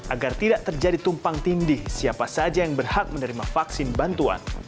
agar tidak terjadi tumpang tindih siapa saja yang berhak menerima vaksin bantuan